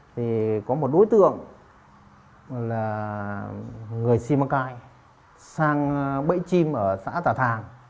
trứ đang bẫy chim ở xã tà thàng